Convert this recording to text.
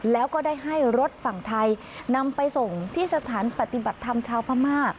แล้วก็ได้ให้รถฝั่งไทยนำไปส่งที่สถานปฏิบัติธรรมชาวพม่า